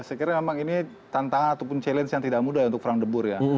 saya kira memang ini tantangan ataupun challenge yang tidak mudah untuk frank the board ya